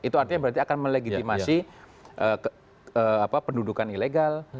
itu artinya berarti akan melegitimasi pendudukan ilegal